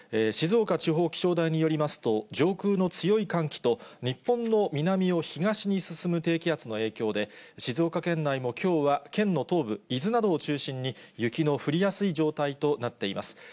静岡地方気象台によりますと、上空の強い寒気と、日本の南を東に進む低気圧の影響で、静岡県内もきょうは、県の東部、伊豆などを中心に、雪の降りやすい状態となっています。